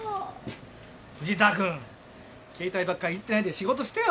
藤田君携帯ばっかいじってないで仕事してよ。